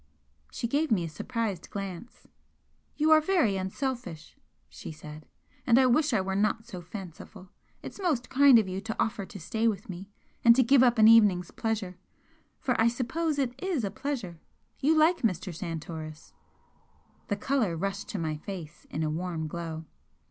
She gave me a surprised glance. "You are very unselfish," she said "and I wish I were not so fanciful. It's most kind of you to offer to stay with me and to give up an evening's pleasure for I suppose it IS a pleasure? You like Mr. Santoris?" The colour rushed to my face in a warm glow.